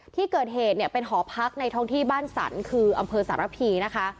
ที่เกิดเหตุเนี่ยเป็นหอพักในท้องที่บ้านสรรคืออำเภอสารพีนะคะ